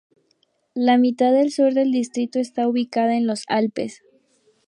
La mitad del sur del distrito está ubicada en los Alpes.